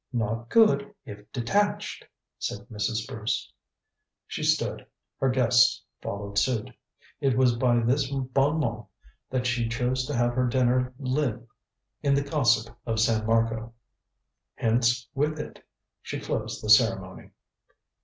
"Not good if detached," said Mrs. Bruce. She stood. Her guests followed suit. It was by this bon mot that she chose to have her dinner live in the gossip of San Marco. Hence with it she closed the ceremony.